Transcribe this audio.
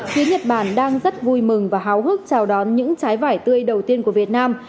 phía nhật bản đang rất vui mừng và háo hức chào đón những trái vải tươi đầu tiên của việt nam